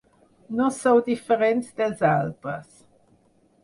No sou diferents dels altres.